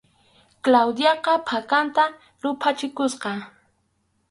Claudiaqa phakanta ruphachikusqa.